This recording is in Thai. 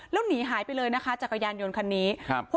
แล้วหนีหายไปเลยนะคะจักรยานยนต์คันนี้ครับ